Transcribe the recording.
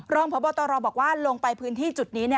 รองพบตรบอกว่าลงไปพื้นที่จุดนี้